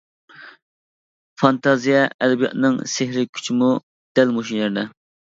فانتازىيە ئەدەبىياتىنىڭ سېھرىي كۈچىمۇ دەل مۇشۇ يەردە.